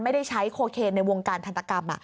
ไม่ได้ใช้โคเคนในวงการทันตกรรม